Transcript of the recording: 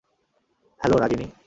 Hello, Ragini?